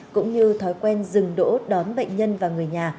cũng như thói quen dừng đỗ đón bệnh nhân và người nhà